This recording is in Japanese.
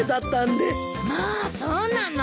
まあそうなの？